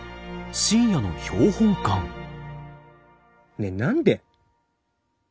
ねえ何で？